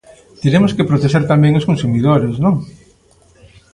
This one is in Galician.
Teremos que protexer tamén os consumidores, ¿non?